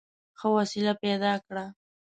ښه وسیله پیدا کړه.